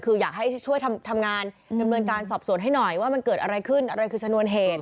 คืออยากให้ช่วยทำงานดำเนินการสอบสวนให้หน่อยว่ามันเกิดอะไรขึ้นอะไรคือชนวนเหตุ